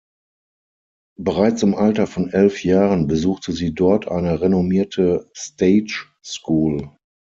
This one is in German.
Bereits im Alter von elf Jahren besuchte sie dort eine renommierte Stage-School.